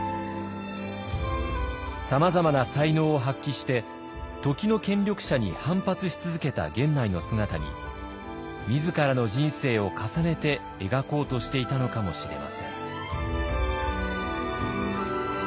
さまざまな才能を発揮して時の権力者に反発し続けた源内の姿に自らの人生を重ねて描こうとしていたのかもしれません。